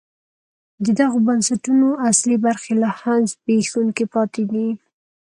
د دغو بنسټونو اصلي برخې لا هم زبېښونکي پاتې دي.